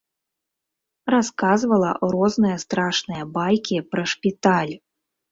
Расказвала розныя страшныя байкі пра шпіталь.